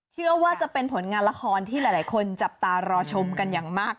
เชื่อว่าจะเป็นผลงานละครที่หลายคนจับตารอชมกันอย่างมาก